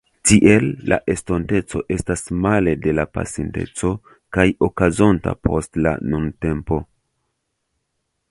Tiel, la estonteco estas male de la pasinteco, kaj okazonta post la nuntempo.